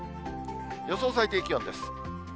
予想最低気温です。